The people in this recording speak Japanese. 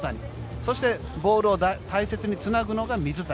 そしてボールを大切につなぐのが水谷。